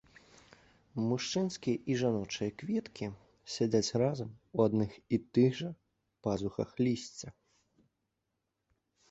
Мужчынскія і жаночыя кветкі сядзяць разам у адных і тых жа пазухах лісця.